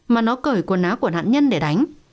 mà nó cởi quần áo của nạn nhân để đánh